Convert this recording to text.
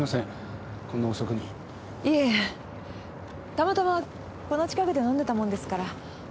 たまたまこの近くで飲んでたもんですから。